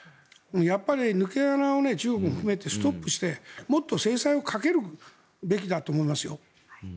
やっぱり抜け穴を中国を含めてストップしてもっと制裁をかけるべきだと思いますよ。